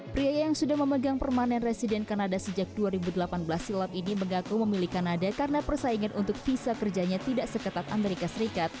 pria yang sudah memegang permanen resident kanada sejak dua ribu delapan belas silam ini mengaku memilih kanada karena persaingan untuk visa kerjanya tidak seketat amerika serikat